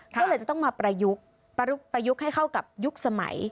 ก็เลยจะต้องมาประยุกต์ประยุกต์ให้เข้ากับยุคสมัย